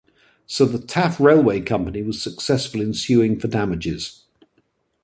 So the Taff Vale Railway Co was successful in suing for damages.